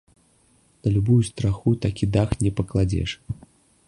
На любую страху такі дах не пакладзеш.